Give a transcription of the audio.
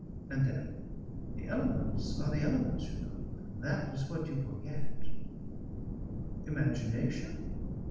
And then: "The elements are the elements, you know. That is what you forget." "Imagination?"